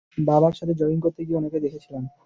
বাবার সাথে জগিং করতে গিয়ে উনাকে দেখেছিলাম।